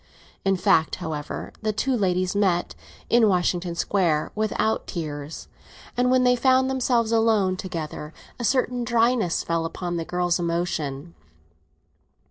In fact, however, the two ladies had met, in Washington Square, without tears, and when they found themselves alone together a certain dryness fell upon the girl's emotion.